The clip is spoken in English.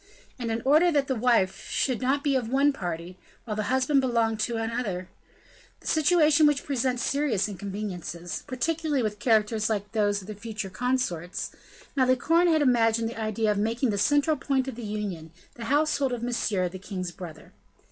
And in order that the wife should not be of one party whilst the husband belonged to the other, a situation which presents serious inconveniences, particularly with characters like those of the future consorts Malicorne had imagined the idea of making the central point of union the household of Monsieur, the king's brother.